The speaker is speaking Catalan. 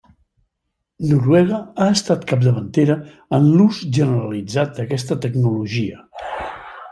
Noruega ha estat capdavantera en l'ús generalitzat d'aquesta tecnologia.